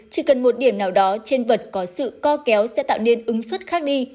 chỉ cần một điểm nào đó trên vật có sự co kéo sẽ tạo nên ứng suất khác đi